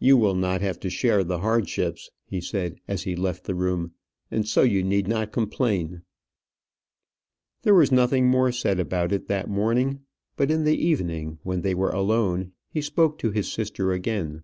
"You will not have to share the hardships," he said, as he left the room; "and so you need not complain." There was nothing more said about it that morning; but in the evening, when they were alone, he spoke to his sister again.